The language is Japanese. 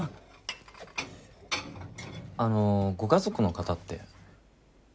あのご家族の方って？